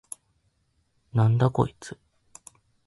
なんだこいつ！？